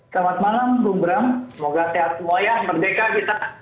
selamat malam bung bram semoga sehat semua ya merdeka kita